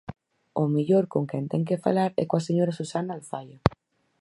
Ao mellor con quen ten que falar é coa señora Susana Alfaia.